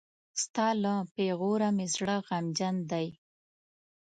ستا له پېغوره مې زړه غمجن دی.